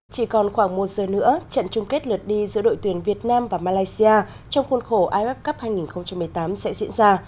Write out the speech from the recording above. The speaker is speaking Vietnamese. chỉ còn khoảng một giờ nữa trận chung kết lượt đi giữa đội tuyển việt nam và malaysia trong khuôn khổ iff cup hai nghìn một mươi tám sẽ diễn ra